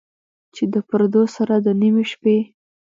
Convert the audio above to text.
چې د پردو سره، د نیمې شپې،